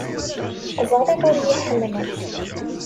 Ẓriɣ ur iyi-ḥemmlent.